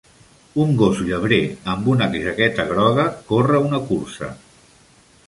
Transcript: Un gros llebrer amb una jaqueta groga corre una cursa